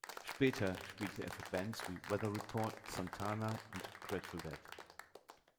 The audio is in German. Später spielte er für Bands wie Weather Report, Santana und Grateful Dead.